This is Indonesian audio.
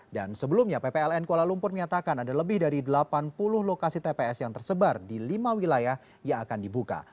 dan sebelumnya ppln kuala lumpur menyatakan ada lebih dari delapan puluh lokasi tps yang tersebar di lima wilayah yang akan dibuka